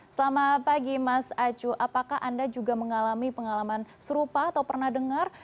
selamat pagi mas acu apakah anda juga mengalami pengalaman serupa atau pernah dengar